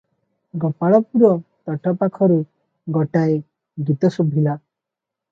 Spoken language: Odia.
ଗୋପାଳପୁର ତୋଠପାଖରୁ ଗୋଟାଏ ଗୀତ ଶୁଭିଲା -